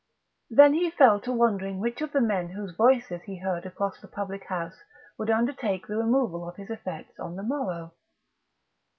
Then he fell to wondering which of the men whose voices he heard across the public house would undertake the removal of his effects on the morrow.